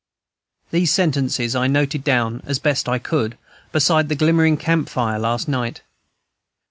These sentences I noted down, as best I could, beside the glimmering camp fire last night.